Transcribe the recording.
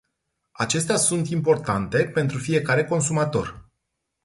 Acestea sunt importante pentru fiecare consumator.